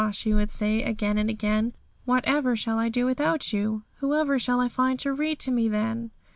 she would say, again and again; 'whatever shall I do without you? Whoever shall I find to read to me then?'